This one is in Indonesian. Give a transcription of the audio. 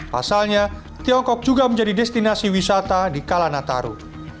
pasalnya tiongkok juga menjadi destinasi wisata di kala nataru